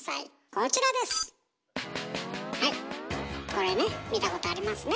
コレね見たことありますね。